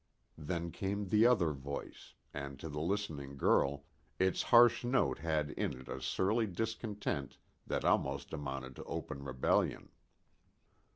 Then came the other voice, and, to the listening girl, its harsh note had in it a surly discontent that almost amounted to open rebellion.